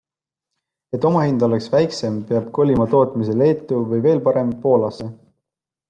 Et omahind oleks väiksem, peaks kolima tootmise Leetu või, veel parem, Poolasse.